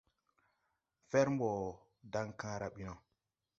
Fɛr mbɔ daŋkããra ɓi no.